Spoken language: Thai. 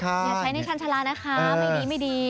อย่าใช้ในชาญชาลานะคะไม่ดีไม่ดี